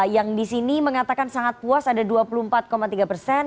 yang di sini mengatakan sangat puas ada dua puluh empat tiga persen